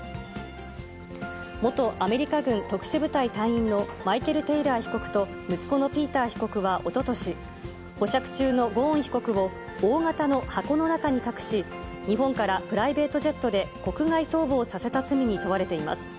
元アメリカ軍特殊部隊隊員のマイケル・テイラー被告と息子のピーター被告はおととし、保釈中のゴーン被告を、大形の箱の中に隠し、日本からプライベートジェットで国外逃亡させた罪に問われています。